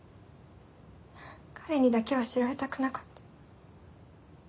彼にだけは知られたくなかった。